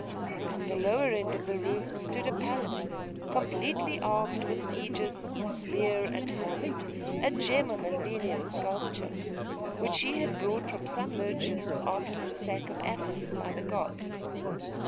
At the lower end of the room stood a Pallas, completely armed with aegis, spear, and helmet; a gem of Athenian sculpture, which she had bought from some merchants after the sack of Athens by the Goths.